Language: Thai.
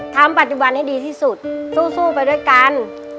ทำปัจจุบันให้ดีที่สุดสู้ไปด้วยกัน